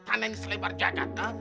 tanahnya selebar jakarta